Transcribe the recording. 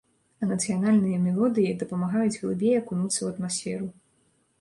А нацыянальныя мелодыі дапамагаюць глыбей акунуцца ў атмасферу.